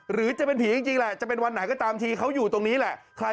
หรือจะเป็นผีจริงแหละจะเป็นวันไหนก็ตามทีเขาอยู่ตรงนี้แหละ